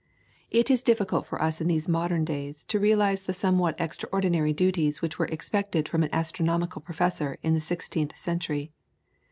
It is difficult for us in these modern days to realise the somewhat extraordinary duties which were expected from an astronomical professor in the sixteenth century.